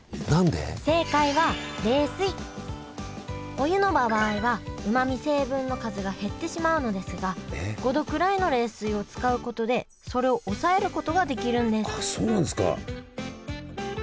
お湯の場合はうまみ成分の数が減ってしまうのですが５℃くらいの冷水を使うことでそれを抑えることができるんですそうなんですか。